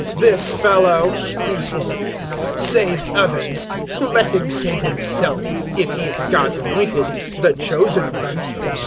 "This fellow," they said, "saved others: let him save himself, if he is God's Anointed, the Chosen One."